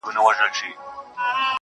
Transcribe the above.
نو شاعري څه كوي.